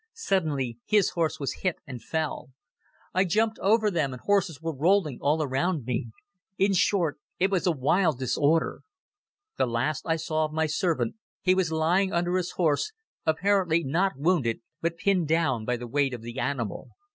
Suddenly his horse was hit and fell. I jumped over them and horses were rolling all around me. In short, it was a wild disorder. The last I saw of my servant, he was lying under his horse, apparently not wounded, but pinned down by the weight of the animal.